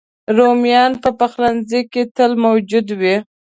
رومیان په پخلنځي کې تل موجود وي